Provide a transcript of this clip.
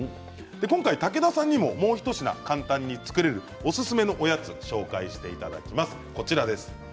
今回、武田さんにももう一品簡単に作れるおすすめのおやつを紹介していただきます。